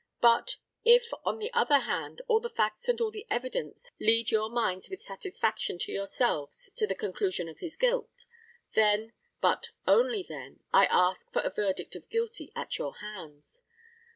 But if, on the other hand, all the facts and all the evidence lead your minds with satisfaction to yourselves to the conclusion of his guilt, then but then only I ask for a verdict of Guilty at your hands.